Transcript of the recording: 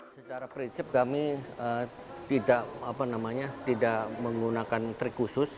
secara prinsip kami tidak menggunakan trik khusus